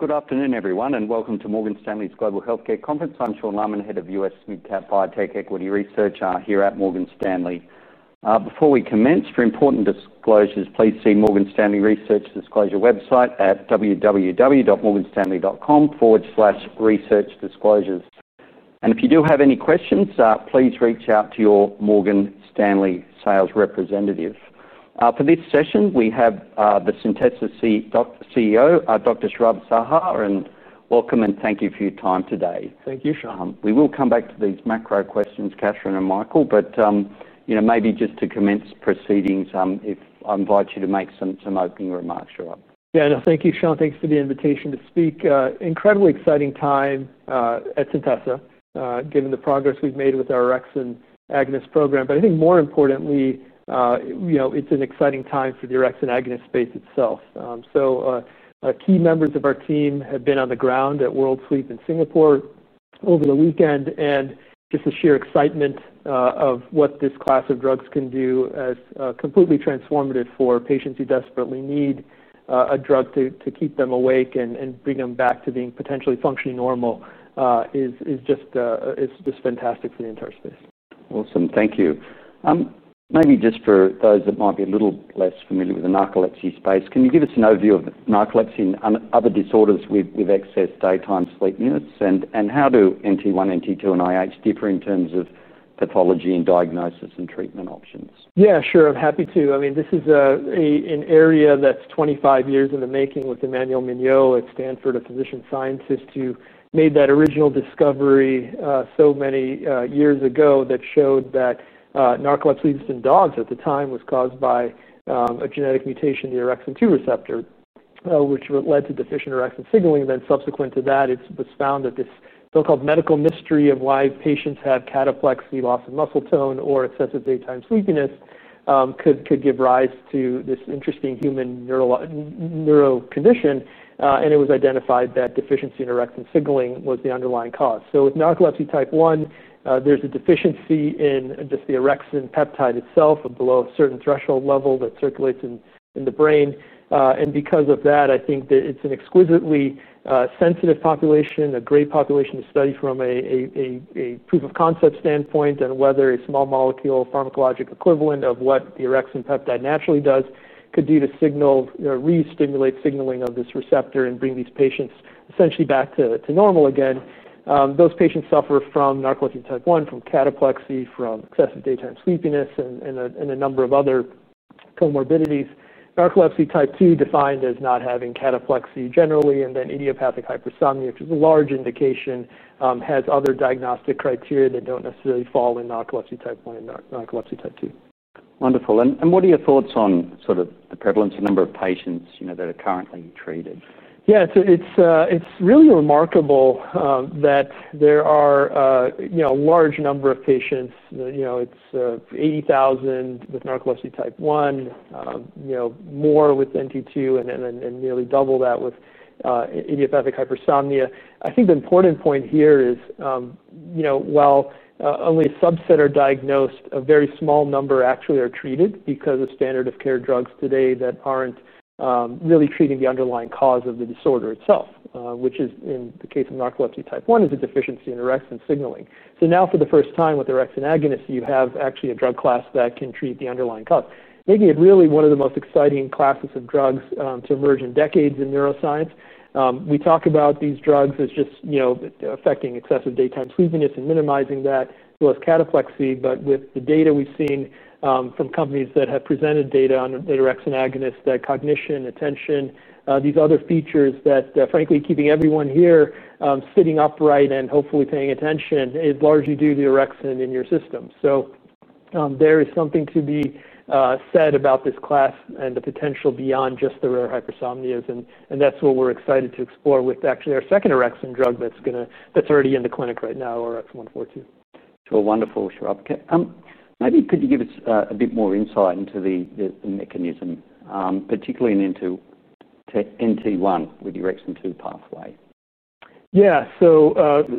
Good afternoon, everyone, and welcome to Morgan Stanley's Global Healthcare Conference. I'm Sean Laaman, Head of U.S. SMID Cap Biotech Equity Research here at Morgan Stanley. Before we commence, for important disclosures, please see Morgan Stanley Research Disclosure website at www.morganstanley.com/researchdisclosures. If you do have any questions, please reach out to your Morgan Stanley sales representative. For this session, we have the Centessa CEO, Dr. Saurabh Saha. Welcome and thank you for your time today. Thank you, Saurabh. We will come back to these macro questions, Katherine and Michael, but maybe just to commence proceedings, if I invite you to make some opening remarks, Saurabh. Yeah, no, thank you, Sean. Thanks for the invitation to speak. Incredibly exciting time at Centessa, given the progress we've made with our orexin agonist program. I think more importantly, you know it's an exciting time for the orexin agonist space itself. Key members of our team have been on the ground at World Sleep in Singapore over the weekend, and just the sheer excitement of what this class of drugs can do as completely transformative for patients who desperately need a drug to keep them awake and bring them back to being potentially functionally normal is just fantastic for the entire space. Awesome, thank you. Maybe just for those that might be a little less familiar with the narcolepsy space, can you give us an overview of narcolepsy and other disorders with excess daytime sleepiness, and how do NT1, NT2, and IH differ in terms of pathology and diagnosis and treatment options? Yeah, sure, I'm happy to. I mean, this is an area that's 25 years in the making with Emmanuel Mignot at Stanford, a physician scientist who made that original discovery so many years ago that showed that narcolepsy in dogs at the time was caused by a genetic mutation in the orexin-2 receptor which led to deficient orexin signaling. Subsequent to that, it was found that this so-called medical mystery of why patients have cataplexy, loss of muscle tone, or excessive daytime sleepiness could give rise to this interesting human neuro condition. It was identified that deficiency in orexin signaling was the underlying cause. With narcolepsy type 1, there's a deficiency in just the orexin peptide itself below a certain threshold level that circulates in the brain. Because of that, I think that it's an exquisitely sensitive population, a great population to study from a proof of concept standpoint, and whether a small molecule pharmacologic equivalent of what the orexin peptide naturally does could do to re-stimulate signaling of this receptor and bring these patients essentially back to normal again. Those patients suffer from narcolepsy type 1, from cataplexy, from excessive daytime sleepiness, and a number of other comorbidities. Narcolepsy type 2, defined as not having cataplexy generally, and then idiopathic hypersomnia, which is a large indication, has other diagnostic criteria that don't necessarily fall in narcolepsy type 1 and narcolepsy type 2. Wonderful. What are your thoughts on the prevalence of the number of patients that are currently treated? Yeah, so it's really remarkable that there are a large number of patients. It's 80,000 with narcolepsy type 1, more with NT2, and nearly double that with idiopathic hypersomnia. I think the important point here is, while only a subset are diagnosed, a very small number actually are treated because of standard-of-care drugs today that aren't really treating the underlying cause of the disorder itself, which is, in the case of narcolepsy type 1, a deficiency in orexin signaling. For the first time, with orexin agonists, you have actually a drug class that can treat the underlying cause, making it really one of the most exciting classes of drugs to emerge in decades in neuroscience. We talk about these drugs as just affecting excessive daytime sleepiness and minimizing that, both cataplexy, but with the data we've seen from companies that have presented data on orexin agonists, that cognition, attention, these other features that, frankly, keeping everyone here sitting upright and hopefully paying attention is largely due to the orexin in your system. There is something to be said about this class and the potential beyond just the rare hypersomnias. That's what we're excited to explore with actually our second orexin drug that's already in the clinic right now, ORX142. Wonderful, Saurabh. Maybe could you give us a bit more insight into the mechanism, particularly into NT1 with the orexin-2 pathway? Yeah,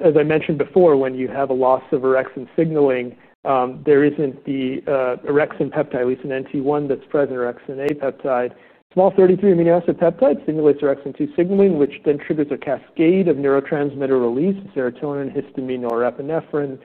as I mentioned before, when you have a loss of orexin signaling, there isn't the orexin peptide, at least in narcolepsy type 1, that's present in orexin-A peptide. Small 33 amino acid peptide stimulates orexin-2 signaling, which then triggers a cascade of neurotransmitter release: serotonin, histamine, norepinephrine,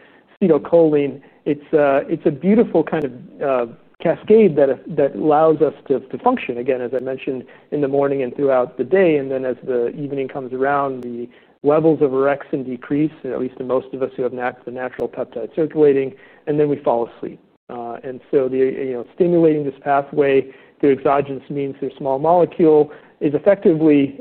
acetylcholine. It's a beautiful kind of cascade that allows us to function, again, as I mentioned, in the morning and throughout the day. As the evening comes around, the levels of orexin decrease, at least in most of us who have the natural peptide circulating, and then we fall asleep. Stimulating this pathway through exogenous means through a small molecule is effectively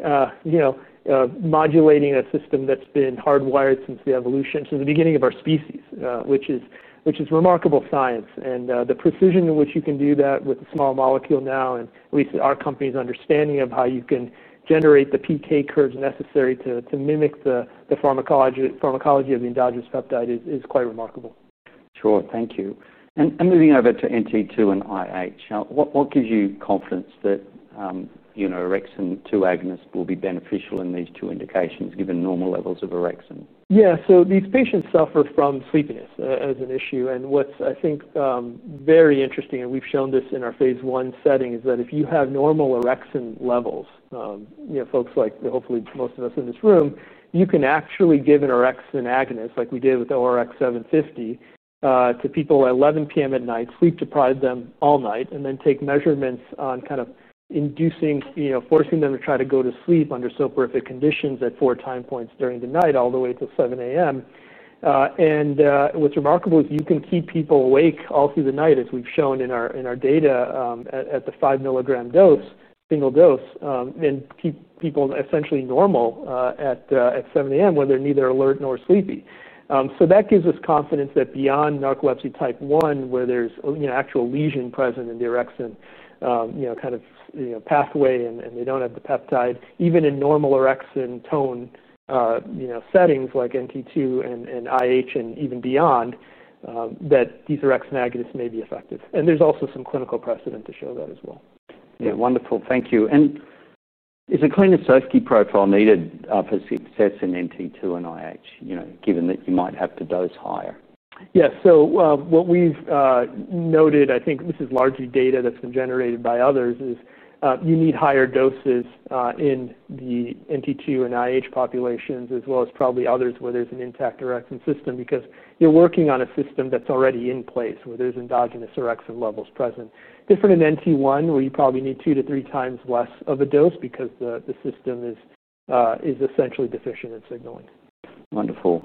modulating a system that's been hardwired since evolution, since the beginning of our species, which is remarkable science. The precision in which you can do that with a small molecule now, and at least our company's understanding of how you can generate the PK curves necessary to mimic the pharmacology of the endogenous peptide, is quite remarkable. Sure, thank you. Moving over to NT2 and IH, what gives you confidence that orexin-2 agonists will be beneficial in these two indications, given normal levels of orexin? Yeah, so these patients suffer from sleepiness as an issue. What's, I think, very interesting, and we've shown this in our phase I setting, is that if you have normal orexin levels, you know, folks like hopefully most of us in this room, you can actually give an orexin agonist, like we did with ORX750, to people at 11:00 P.M. at night, sleep deprive them all night, and then take measurements on kind of inducing, you know, forcing them to try to go to sleep under so perfect conditions at four time points during the night, all the way till 7:00 A.M. What's remarkable is you can keep people awake all through the night, as we've shown in our data at the 5 mg dose, single dose, and keep people essentially normal at 7:00 A.M. when they're neither alert nor sleepy. That gives us confidence that beyond narcolepsy type 1, where there's actual lesion present in the orexin kind of pathway and they don't have the peptide, even in normal orexin tone settings like NT2 and IH and even beyond, these orexin agonists may be effective. There's also some clinical precedent to show that as well. Yeah, wonderful, thank you. Is a kind of safety profile needed for Centessa in NT2 and IH, you know, given that you might have to dose higher? Yeah, so what we've noted, I think this is largely data that's been generated by others, is you need higher doses in the NT2 and IH populations, as well as probably others where there's an intact orexin system because you're working on a system that's already in place where there's endogenous orexin levels present. It's different in NT1, where you probably need 2x-3x less of a dose because the system is essentially deficient in signaling. Wonderful.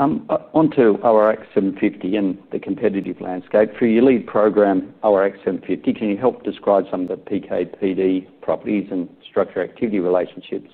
Onto ORX750 in the competitive landscape. For your lead program, ORX750, can you help describe some of the PK/PD properties and structure-activity relationships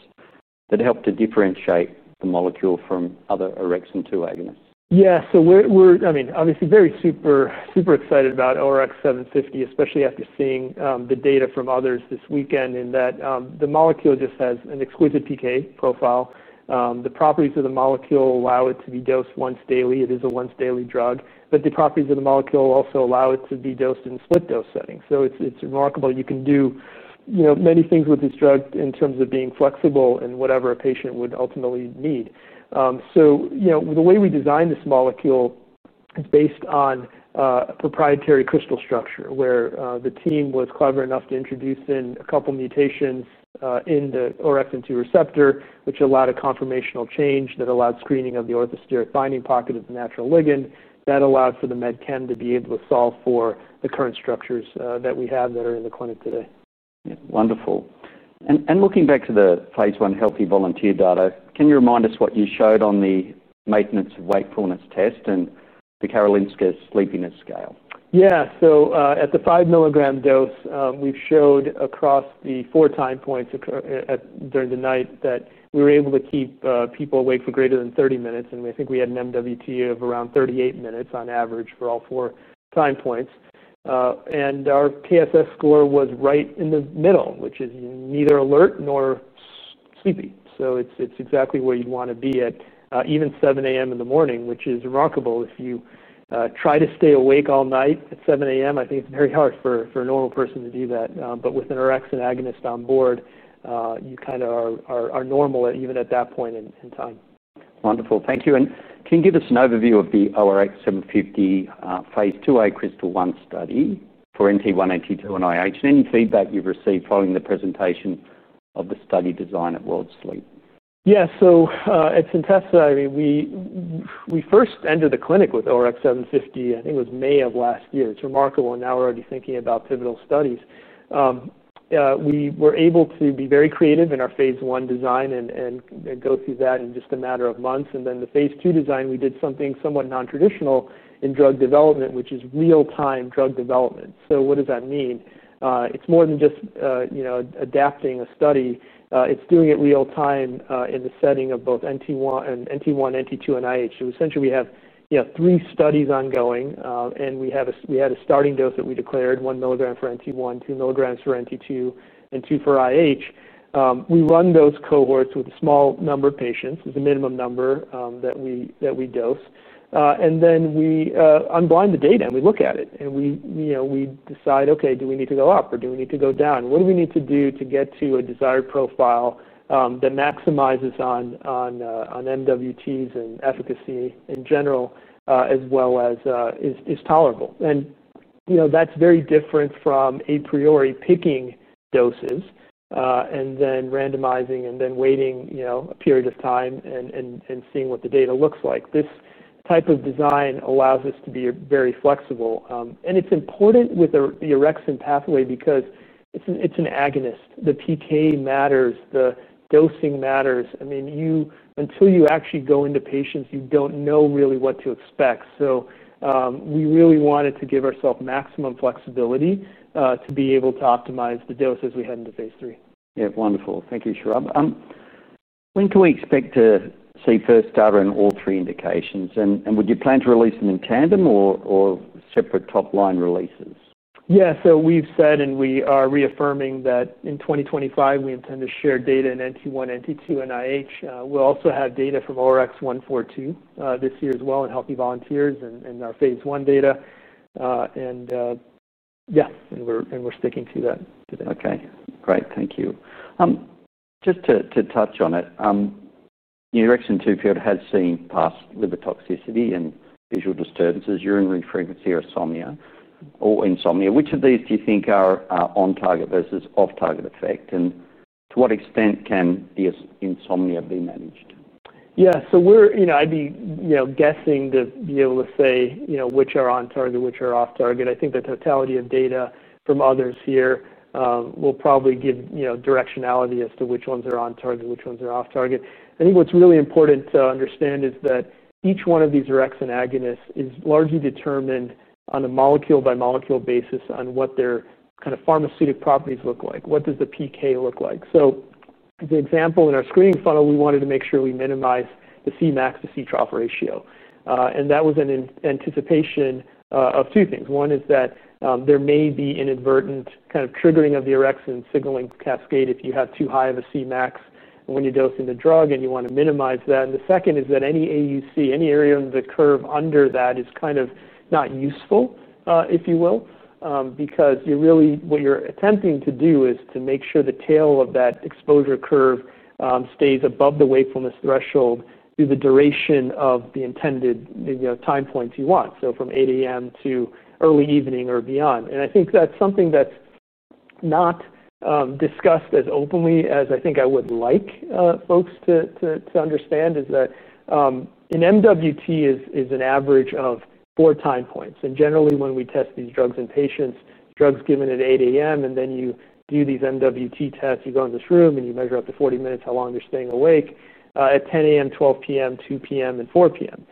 that help to differentiate the molecule from other orexin-2 agonists? Yeah, we're obviously very super, super excited about ORX750, especially after seeing the data from others this weekend, in that the molecule just has an exquisite PK profile. The properties of the molecule allow it to be dosed once daily. It is a once-daily drug. The properties of the molecule also allow it to be dosed in split dose settings. It's remarkable. You can do many things with this drug in terms of being flexible and whatever a patient would ultimately need. The way we designed this molecule is based on a proprietary crystal structure where the team was clever enough to introduce a couple mutations in the orexin-2 receptor, which allowed a conformational change that allowed screening of the orthosteric binding pocket of the natural ligand. That allowed for the med chem to be able to solve for the current structures that we have that are in the clinic today. Wonderful. Looking back to the phase I healthy volunteer data, can you remind us what you showed on the maintenance of wakefulness test and the Karolinska Sleepiness Scale? Yeah, at the 5 mg dose, we've showed across the four time points during the night that we were able to keep people awake for greater than 30 minutes. I think we had an MWT of around 38 minutes on average for all four time points. Our TSS score was right in the middle, which is neither alert nor sleepy. It's exactly where you'd want to be at even 7:00 A.M. in the morning, which is remarkable. If you try to stay awake all night at 7:00 A.M., I think it's very hard for a normal person to do that. With an orexin agonist on board, you kind of are normal even at that point in time. Wonderful, thank you. Can you give us an overview of the ORX750 phase II-A CRYSTAL-1 study for NT1, NT2, and IH, and any feedback you've received following the presentation of the study design at World Sleep? Yeah, so at Centessa, we first entered the clinic with ORX750, I think it was May of last year. It's remarkable, and now we're already thinking about pivotal studies. We were able to be very creative in our phase I design and go through that in just a matter of months. The phase II design, we did something somewhat non-traditional in drug development, which is real-time drug development. What does that mean? It's more than just adapting a study. It's doing it real-time in the setting of both NT1, NT2, and IH. Essentially, we have three studies ongoing, and we had a starting dose that we declared: 1 mg for NT1, 2 mg for NT2, and 2 mg for IH. We run those cohorts with a small number of patients, with a minimum number that we dose. Then we unblind the data and we look at it. We decide, okay, do we need to go up or do we need to go down? What do we need to do to get to a desired profile that maximizes on MWTs and efficacy in general, as well as is tolerable? That's very different from a priori picking doses and then randomizing and then waiting a period of time and seeing what the data looks like. This type of design allows us to be very flexible. It's important with the orexin pathway because it's an agonist. The PK matters. The dosing matters. Until you actually go into patients, you don't know really what to expect. We really wanted to give ourselves maximum flexibility to be able to optimize the doses we had into phase III. Yeah, wonderful. Thank you, Shahram. When can we expect to see first data in all three indications? Would you plan to release them in tandem or separate top-line releases? We've said, and we are reaffirming that in 2025, we intend to share data in NT1, NT2, and IH. We'll also have data from ORX142 this year as well in healthy volunteers and our phase I data. We're sticking to that. Okay, great. Thank you. Just to touch on it, your orexin-2 field has seen past liver toxicity and visual disturbances, urinary frequency or insomnia. Which of these do you think are on target versus off target effect? To what extent can the insomnia be managed? Yeah, so I'd be guessing to be able to say which are on target, which are off target. I think the totality of data from others here will probably give directionality as to which ones are on target, which ones are off target. I think what's really important to understand is that each one of these orexin agonists is largely determined on a molecule-by-molecule basis on what their kind of pharmaceutic properties look like. What does the PK look like? As an example, in our screening funnel, we wanted to make sure we minimize the Cmax to Ctrop ratio. That was in anticipation of two things. One is that there may be inadvertent kind of triggering of the orexin signaling cascade if you have too high of a Cmax when you dose in the drug and you want to minimize that. The second is that any AUC, any area in the curve under that is kind of not useful, if you will, because what you're attempting to do is to make sure the tail of that exposure curve stays above the wakefulness threshold through the duration of the intended time points you want, from 8:00 A.M. to early evening or beyond. I think that's something that's not discussed as openly as I would like folks to understand, is that an MWT is an average of four time points. Generally, when we test these drugs in patients, drugs given at 8:00 A.M., and then you do these MWT tests, you go in this room and you measure up to 40 minutes how long you're staying awake at 10:00 A.M., 12:00 P.M., 2:00 P.M., and 4:00 P.M.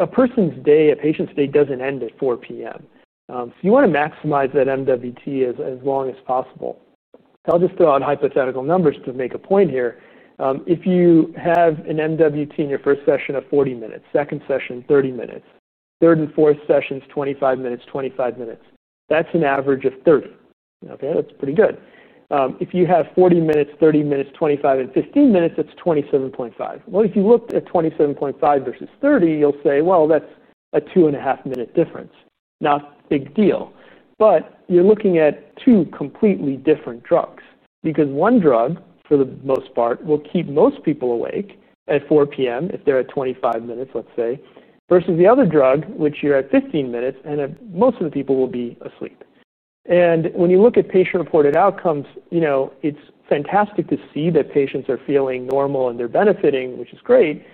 A person's day, a patient's day doesn't end at 4:00 P.M. You want to maximize that MWT as long as possible. I'll just throw out hypothetical numbers to make a point here. If you have an MWT in your first session of 40 minutes, second session 30 minutes, third and fourth sessions 25 minutes, 25 minutes, that's an average of 30. That's pretty good. If you have 40 minutes, 30 minutes, 25, and 15 minutes, it's 27.5. If you looked at 27.5 versus 30, you'll say that's a two and a half minute difference. Not a big deal. You're looking at two completely different drugs. Because one drug, for the most part, will keep most people awake at 4:00 P.M. if they're at 25 minutes, let's say, versus the other drug, which you're at 15 minutes, and most of the people will be asleep. When you look at patient-reported outcomes, it's fantastic to see that patients are feeling normal and they're benefiting, which is great.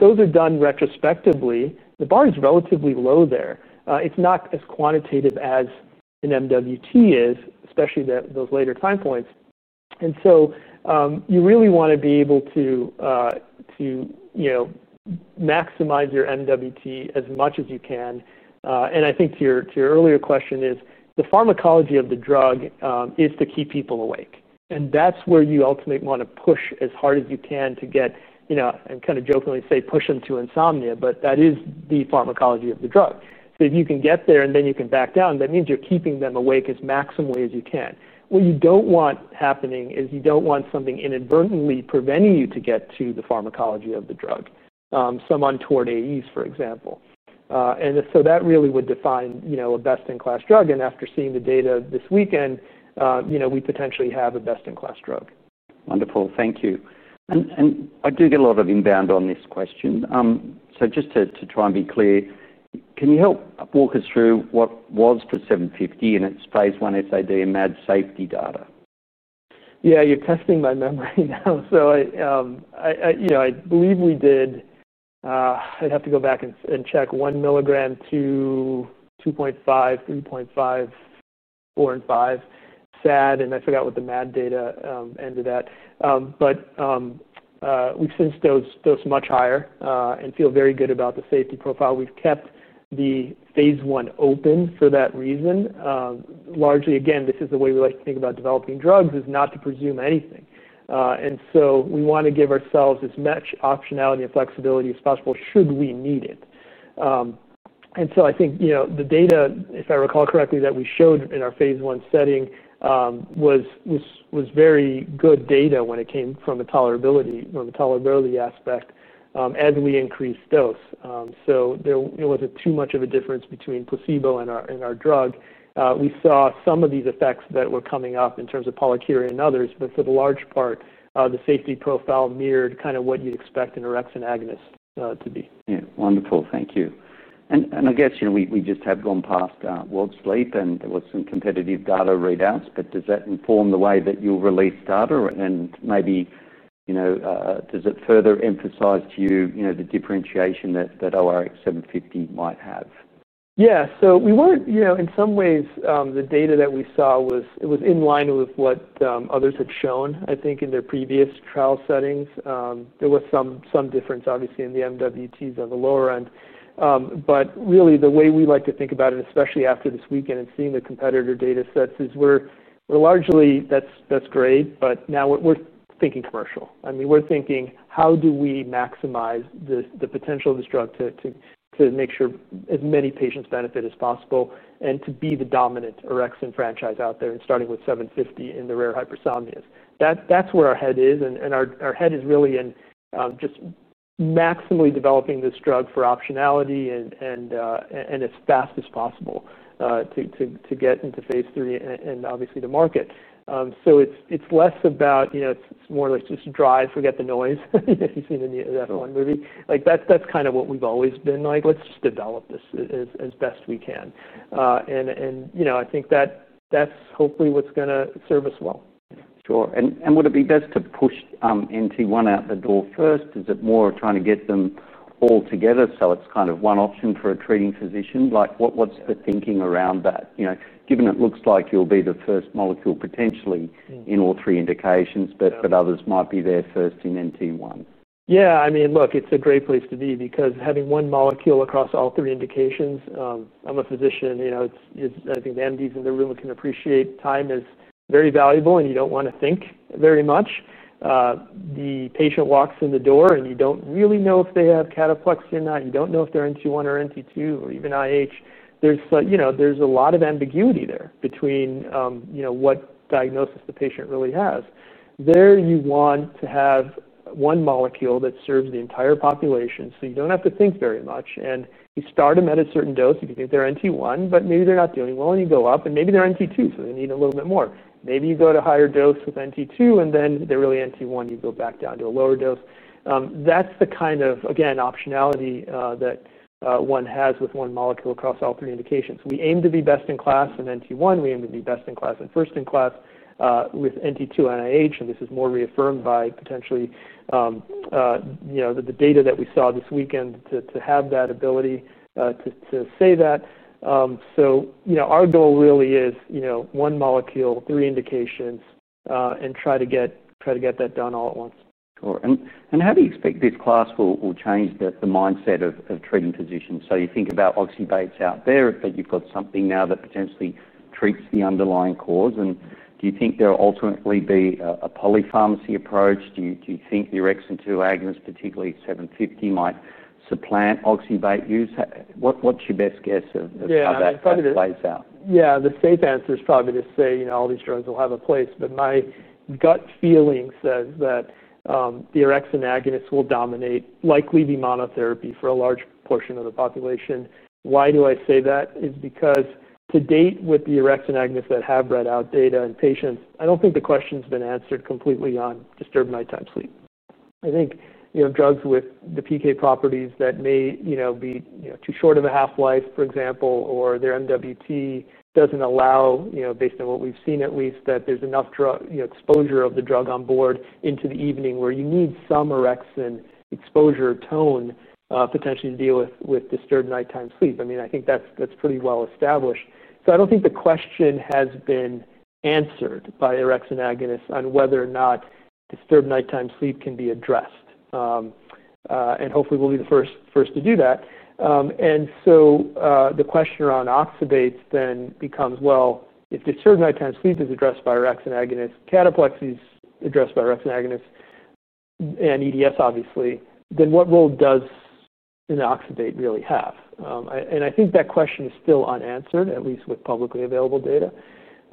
Those are done retrospectively. The bar is relatively low there. It's not as quantitative as an MWT is, especially at the later time points. You really want to be able to maximize your MWT as much as you can. I think to your earlier question, the pharmacology of the drug is to keep people awake. That's where you ultimately want to push as hard as you can to get, you know, I kind of jokingly say push them to insomnia, but that is the pharmacology of the drug. If you can get there and then you can back down, that means you're keeping them awake as maximally as you can. What you don't want happening is you don't want something inadvertently preventing you from getting to the pharmacology of the drug, some untoward AEs, for example. That really would define a best-in-class drug. After seeing the data this weekend, we potentially have a best-in-class drug. Wonderful, thank you. I do get a lot of inbound on this question. Just to try and be clear, can you help walk us through what was for ORX750 in its phase I SAD and MAD safety data? Yeah, you're testing my memory now. I believe we did, I'd have to go back and check, 1 mg, 2 mg, 2.5 mg, 3.5 mg, 4 mg, and 5 mg. I forgot what the MAD data ended at. We've since dosed much higher and feel very good about the safety profile. We've kept the phase I open for that reason. Largely, this is the way we like to think about developing drugs, not to presume anything. We want to give ourselves as much optionality and flexibility as possible should we need it. I think the data, if I recall correctly, that we showed in our phase I setting was very good data when it came from the tolerability aspect as we increased dose. There wasn't too much of a difference between placebo and our drug. We saw some of these effects that were coming up in terms of polycarrier and others, but for the large part, the safety profile mirrored what you'd expect in orexin agonists to be. Yeah, wonderful, thank you. I guess, you know, we just have gone past World Sleep and there were some competitive data readouts. Does that inform the way that you'll release data? Maybe, you know, does it further emphasize to you, you know, the differentiation that ORX750 might have? Yeah, we weren't, you know, in some ways, the data that we saw was in line with what others had shown, I think, in their previous trial settings. There was some difference, obviously, in the MWTs on the lower end. Really, the way we like to think about it, especially after this weekend and seeing the competitor data sets, is we're largely, that's great, but now we're thinking commercial. I mean, we're thinking, how do we maximize the potential of this drug to make sure as many patients benefit as possible and to be the dominant Rx and franchise out there, starting with ORX750 in the rare hypersomnias? That's where our head is, and our head is really in just maximally developing this drug for optionality and as fast as possible to get into phase III and obviously the market. It's less about, you know, it's more like just drive, forget the noise. You've seen that one movie. That's kind of what we've always been like. Let's just develop this as best we can. I think that that's hopefully what's going to serve us well. Sure. Would it be best to push NT1 out the door first? Is it more trying to get them all together so it's kind of one option for a treating physician? What's the thinking around that? Given it looks like you'll be the first molecule potentially in all three indications, but others might be there first in NT1. Yeah, I mean, look, it's a great place to be because having one molecule across all three indications, I'm a physician, you know, I think the MDs in the room can appreciate time is very valuable and you don't want to think very much. The patient walks in the door and you don't really know if they have cataplexy or not. You don't know if they're NT1 or NT2 or even IH. There's a lot of ambiguity there between what diagnosis the patient really has. You want to have one molecule that serves the entire population, so you don't have to think very much. You start them at a certain dose. If you think they're NT1, but maybe they're not doing well and you go up and maybe they're NT2, so they need a little bit more. Maybe you go to a higher dose with NT2 and then they're really NT1, you go back down to a lower dose. That's the kind of optionality that one has with one molecule across all three indications. We aim to be best-in-class in NT1. We aim to be best-in-class and first-in-class with NT2 and IH. This is more reaffirmed by potentially the data that we saw this weekend to have that ability to say that. Our goal really is one molecule, three indications, and try to get that done all at once. How do you expect this class will change the mindset of treating physicians? You think about oxybate's out there, but you've got something now that potentially treats the underlying cause. Do you think there will ultimately be a polypharmacy approach? Do you think the orexin-2 agonists, particularly ORX750, might supplant oxybate use? What's your best guess of how that plays out? Yeah, the safe answer is probably to say, you know, all these drugs will have a place. My gut feeling says that the orexin agonists will dominate, likely be monotherapy for a large portion of the population. Why do I say that? It's because to date with the orexin agonists that have read out data in patients, I don't think the question's been answered completely on disturbed nighttime sleep. I think drugs with the pharmacokinetic properties that may be too short of a half-life, for example, or their MWT doesn't allow, based on what we've seen at least, that there's enough exposure of the drug on board into the evening where you need some orexin exposure tone potentially to deal with disturbed nighttime sleep. I think that's pretty well established. I don't think the question has been answered by orexin agonists on whether or not disturbed nighttime sleep can be addressed. Hopefully, we'll be the first to do that. The question around oxybate then becomes, if disturbed nighttime sleep is addressed by orexin agonists, cataplexy is addressed by orexin agonists, and EDS obviously, then what role does an oxybate really have? I think that question is still unanswered, at least with publicly available data.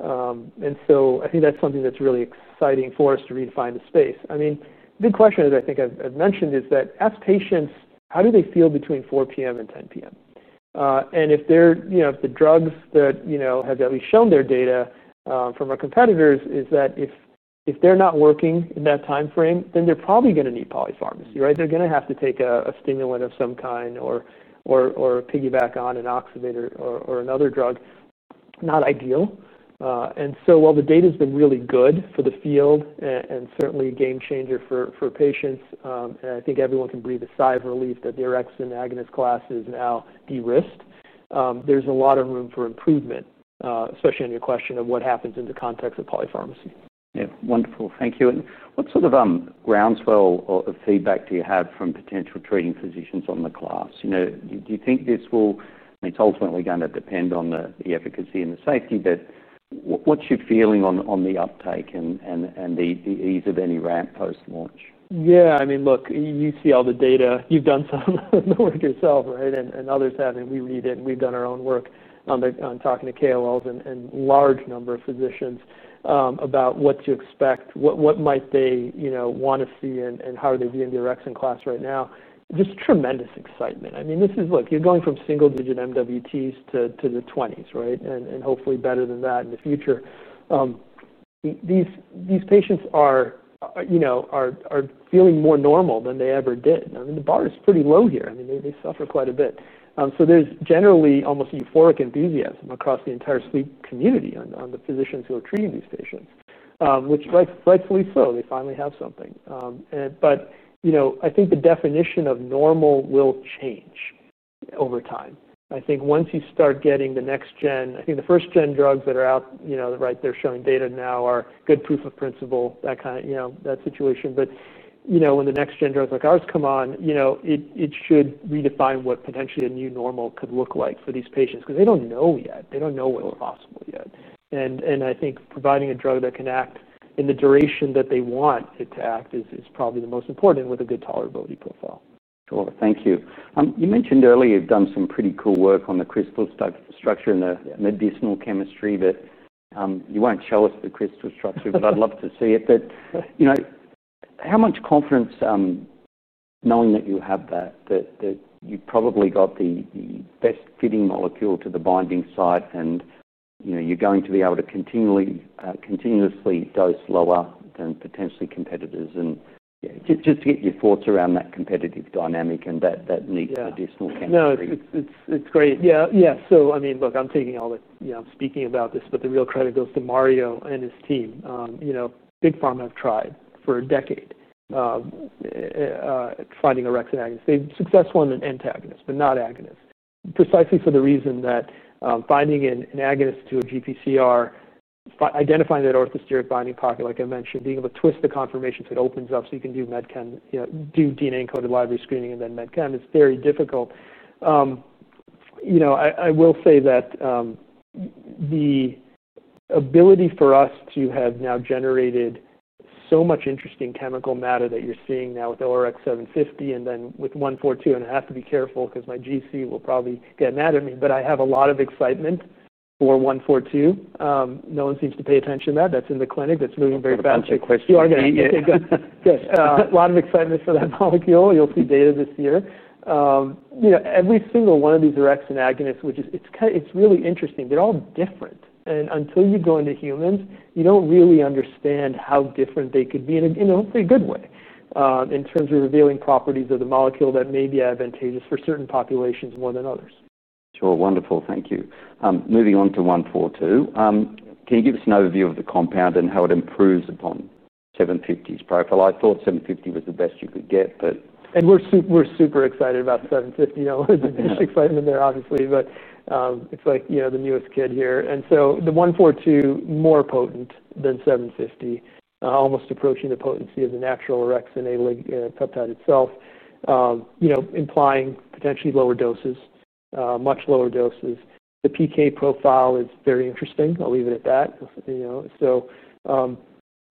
I think that's something that's really exciting for us to redefine the space. The big question is, I think I've mentioned, is that ask patients, how do they feel between 4:00 P.M. and 10:00 P.M.? If the drugs that have at least shown their data from our competitors are not working in that time frame, then they're probably going to need polypharmacy, right? They're going to have to take a stimulant of some kind or piggyback on an oxybate or another drug. Not ideal. While the data's been really good for the field and certainly a game changer for patients, and I think everyone can breathe a sigh of relief that the orexin agonist class is now de-risked, there's a lot of room for improvement, especially on your question of what happens in the context of polypharmacy. Thank you. What sort of groundswell of feedback do you have from potential treating physicians on the class? Do you think this will, I mean, it's ultimately going to depend on the efficacy and the safety, but what's your feeling on the uptake and the ease of any ramp post-launch? Yeah, I mean, look, you see all the data. You've done some of the work yourself, right? Others have, and we read it, and we've done our own work on talking to KOLs and a large number of physicians about what to expect, what might they, you know, want to see, and how are they viewing the Rx and class right now. Just tremendous excitement. I mean, this is, look, you're going from single-digit MWTs to the 20s, right? Hopefully better than that in the future. These patients are, you know, feeling more normal than they ever did. I mean, the bar is pretty low here. They suffer quite a bit. There's generally almost euphoric enthusiasm across the entire sleep community on the physicians who are treating these patients, which rightfully so. They finally have something. I think the definition of normal will change over time. I think once you start getting the next gen, I think the first gen drugs that are out, you know, right, they're showing data now are good proof of principle, that kind of, you know, that situation. When the next gen drugs like ours come on, it should redefine what potentially a new normal could look like for these patients because they don't know yet. They don't know what we're possible yet. I think providing a drug that can act in the duration that they want it to act is probably the most important and with a good tolerability profile. Thank you. You mentioned earlier you've done some pretty cool work on the crystal structure and the medicinal chemistry that you won't show us the crystal structure, but I'd love to see it. You know, how much confidence, knowing that you have that, that you've probably got the best fitting molecule to the binding site, and you know, you're going to be able to continuously dose lower than potentially competitors. Just to get your thoughts around that competitive dynamic and that neat medicinal chemistry. No, it's great. Yeah, yeah. I mean, look, I'm taking all the, you know, I'm speaking about this, but the real credibility for Mario and his team, you know, Big Pharma have tried for a decade finding an agonist. They've successfully been antagonists, but not agonists, precisely for the reason that finding an agonist to a GPCR, identifying that orthosteric binding pocket, like I mentioned, being able to twist the conformation so it opens up so you can do med chem, you know, do DNA-encoded library screening and then med chem, it's very difficult. I will say that the ability for us to have now generated so much interesting chemical matter that you're seeing now with ORX750 and then with ORX142, and I have to be careful because my GC will probably get mad at me, but I have a lot of excitement for ORX142. No one seems to pay attention to that. That's in the clinic. That's moving very fast. That's a good question. You are going to need it. Yeah, go ahead. A lot of excitement for that molecule. You'll see data this year. You know, every single one of these orexin agonists, which is, it's kind of, it's really interesting. They're all different. Until you go into humans, you don't really understand how different they could be in a very good way in terms of revealing properties of the molecule that may be advantageous for certain populations more than others. Sure, wonderful. Thank you. Moving on to ORX142, can you give us an overview of the compound and how it improves upon ORX750's profile? I thought ORX750 was the best you could get, but. We're super excited about the ORX750. I wanted to do some excitement there, obviously, but it's like, you know, the newest kid here. The ORX42, more potent than ORX750, almost approaching the potency of the natural orexin- A-like peptide itself, you know, implying potentially lower doses, much lower doses. The PK profile is very interesting. I'll leave it at that, you know.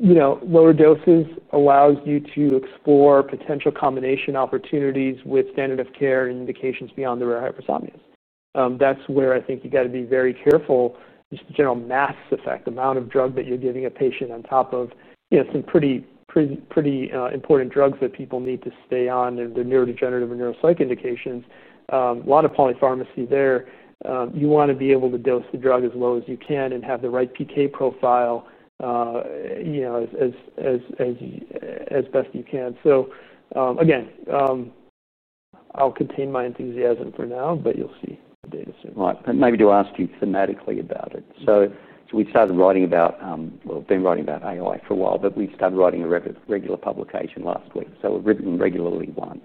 Lower doses allow you to explore potential combination opportunities with standard-of-care and indications beyond the rare hypersomnias. That's where I think you've got to be very careful, just the general mass effect, the amount of drug that you're giving a patient on top of, you know, some pretty, pretty important drugs that people need to stay on, the neurodegenerative or neuropsych indications. A lot of polypharmacy there. You want to be able to dose the drug as low as you can and have the right PK profile, you know, as best you can. I'll contain my enthusiasm for now, but you'll see the data soon. Right. Maybe to ask you thematically about it. We've started writing about AI for a while, but we've started writing a regular publication last week. We've written regularly once.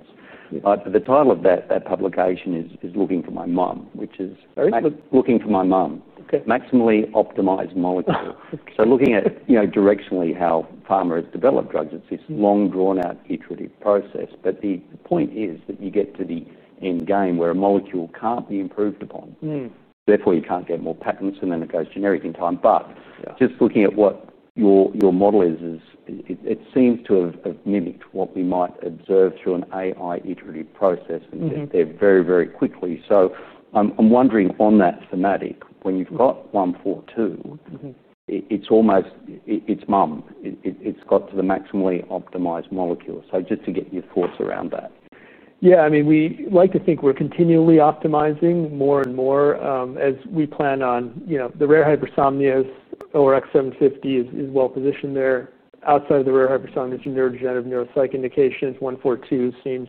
The title of that publication is Looking for My Mom, which is very good. Looking for My Mom, maximally optimized molecule. Looking at, you know, directionally how pharma has developed drugs, it's this long, drawn-out iterative process. The point is that you get to the end game where a molecule can't be improved upon. Therefore, you can't get more patents, and then it goes generic in time. Just looking at what your model is, it seems to have mimicked what we might observe through an AI iterative process very, very quickly. I'm wondering on that thematic, when you've got ORX142, it's almost, it's MOM. It's got to the maximally optimized molecule. Just to get your thoughts around that. Yeah, I mean, we like to think we're continually optimizing more and more as we plan on, you know, the rare hypersomnias. ORX750 is well positioned there. Outside of the rare hypersomnias and neurodegenerative neuropsych indications, ORX142 seems,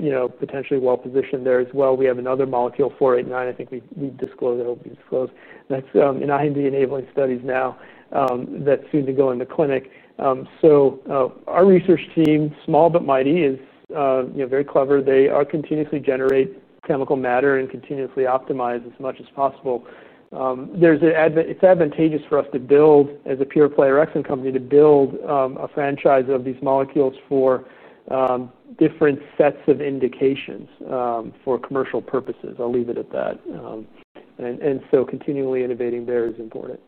you know, potentially well positioned there as well. We have another molecule, ORX489, I think we've disclosed, it'll be disclosed. That's in IND-enabling studies now that seem to go in the clinic. Our research team, small but mighty, is, you know, very clever. They continuously generate chemical matter and continuously optimize as much as possible. It's advantageous for us to build, as a pure-play Rx and company, to build a franchise of these molecules for different sets of indications for commercial purposes. I'll leave it at that. Continually innovating there is important.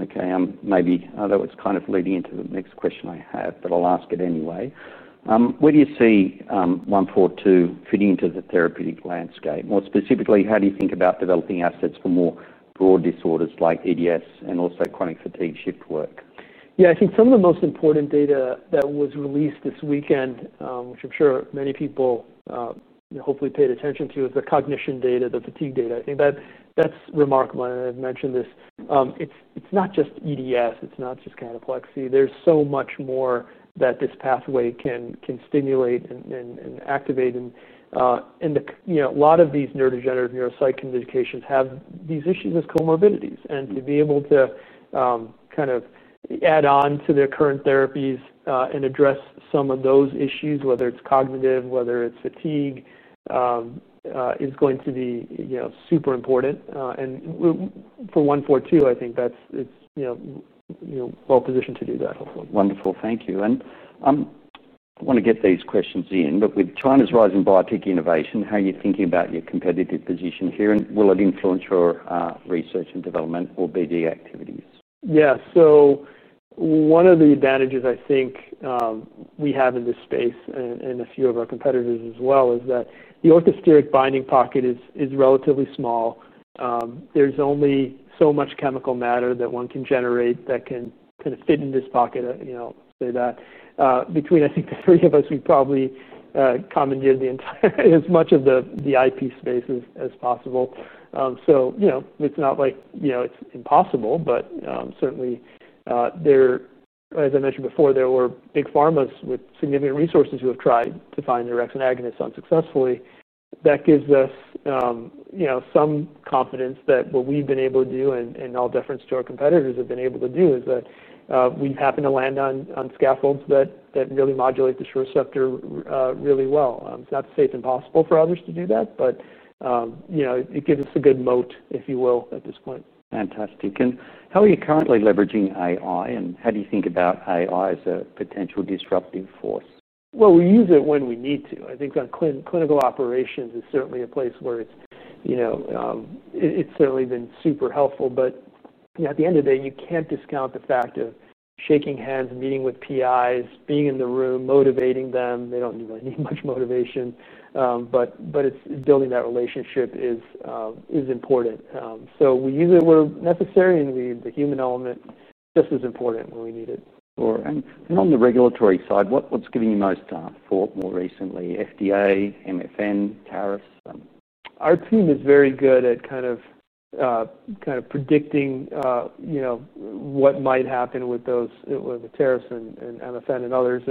Okay, maybe that was kind of leading into the next question I had, but I'll ask it anyway. Where do you see ORX142 fitting into the therapeutic landscape? More specifically, how do you think about developing assets for more broad disorders like EDS and also chronic fatigue shift work? I think some of the most important data that was released this weekend, which I'm sure many people hopefully paid attention to, is the cognition data, the fatigue data. I think that's remarkable. I've mentioned this. It's not just EDS, it's not just cataplexy. There's so much more that this pathway can stimulate and activate. A lot of these neurodegenerative neuropsych communications have these issues as comorbidities. To be able to kind of add on to their current therapies and address some of those issues, whether it's cognitive, whether it's fatigue, is going to be super important. For ORX142, I think that's well positioned to do that. Wonderful, thank you. I want to get these questions in, but with China's rising biotech innovation, how are you thinking about your competitive position here? Will it influence your research and development or BD activities? Yeah, one of the advantages I think we have in this space, and a few of our competitors as well, is that the orthosteric binding pocket is relatively small. There's only so much chemical matter that one can generate that can fit in this pocket. Between, I think, the three of us, we probably commandeered as much of the IP space as possible. It's not impossible, but certainly, as I mentioned before, there were big pharmas with significant resources who have tried to find the orexin agonists unsuccessfully. That gives us some confidence that what we've been able to do, and all deference to our competitors, is that we've happened to land on scaffolds that really modulate the short sector really well. It's not safe and possible for others to do that, but it gives us a good moat, if you will, at this point. Fantastic. How are you currently leveraging AI, and how do you think about AI as a potential disruptive force? We use it when we need to. I think on clinical operations is certainly a place where it's, you know, it's certainly been super helpful. At the end of the day, you can't discount the fact of shaking hands, meeting with PIs, being in the room, motivating them. They don't really need much motivation. It's building that relationship that is important. We use it where necessary, and the human element just is important when we need it. Sure. On the regulatory side, what's given you most thought more recently? FDA, MFN, tariffs? Our team is very good at kind of predicting what might happen with those, with the tariffs and MFN and others.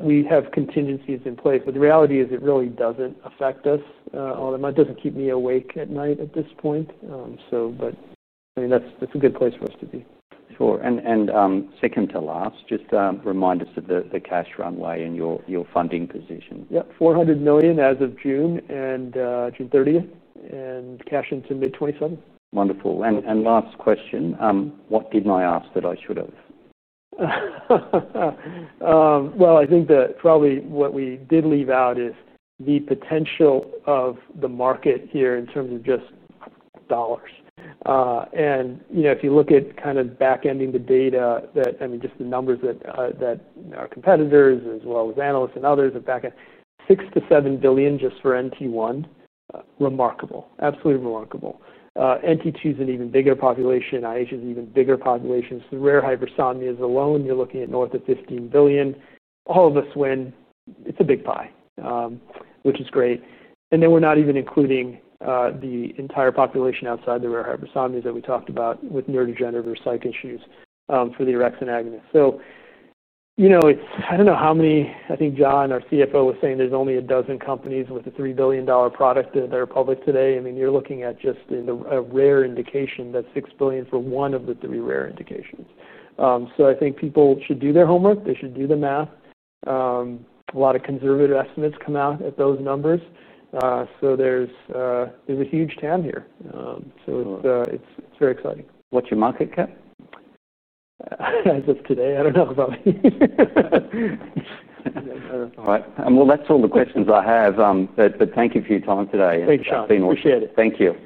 We have contingencies in place, but the reality is it really doesn't affect us. It doesn't keep me awake at night at this point. That's a good place for us to be. Sure. Second to last, just remind us of the cash runway and your funding position. Yep, $400 million as of June 30, and cash into mid-2027. Wonderful. Last question, what didn't I ask that I should have? I think that probably what we did leave out is the potential of the market here in terms of just dollars. If you look at kind of backending the data that, I mean, just the numbers that our competitors, as well as analysts and others have backended, $6 billion-$7 billion just for NT1. Remarkable, absolutely remarkable. NT2 is an even bigger population. IH is an even bigger population. The rare hypersomnias alone, you're looking at north of $15 billion. All of this when it's a big pie, which is great. We're not even including the entire population outside the rare hypersomnias that we talked about with neurodegenerative psych issues for the orexin agonists. I don't know how many, I think John, our CFO, was saying there's only a dozen companies with a $3 billion product that are public today. You're looking at just a rare indication that's $6 billion for one of the three rare indications. I think people should do their homework. They should do the math. A lot of conservative estimates come out at those numbers. There's a huge tan here. It's very exciting. What's your market cap? As of today, I don't know about it. All right. That's all the questions I have. Thank you for your time today. Thanks, Sean. Appreciate it. Thank you.